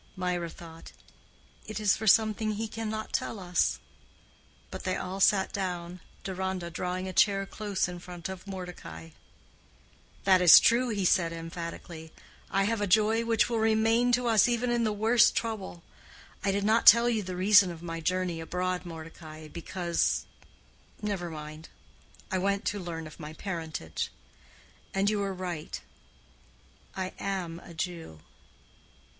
Mirah thought, "It is for something he cannot tell us." But they all sat down, Deronda drawing a chair close in front of Mordecai. "That is true," he said, emphatically. "I have a joy which will remain to us even in the worst trouble. I did not tell you the reason of my journey abroad, Mordecai, because—never mind—I went to learn my parentage. And you were right. I am a Jew."